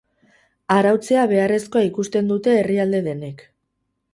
Arautzea beharrezkoa ikusten dute herrialde denek.